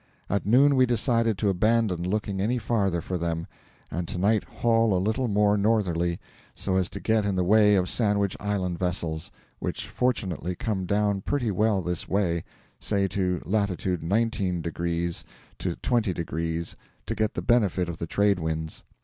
At noon we decided to abandon looking any farther for them, and to night haul a little more northerly, so as to get in the way of Sandwich Island vessels, which fortunately come down pretty well this way say to latitude 19 degrees to 20 degrees to get the benefit of the trade winds.